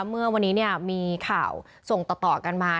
เมื่อวันนี้มีข่าวส่งต่อกันมา